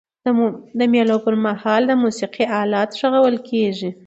د مېلو پر مهال د موسیقۍ آلات ږغول کيږي.